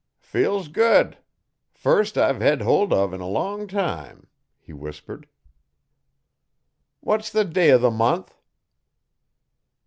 'Feels good. First I've hed hold of in a long time,' he whispered. 'What's the day o' the month?'